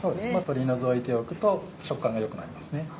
取り除いておくと食感が良くなりますね。